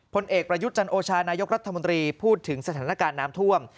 ผลเอกประยุทธ์จันโอชานายกรัฐมนตรีพูดถึงสถานการณ์น้ำท่วม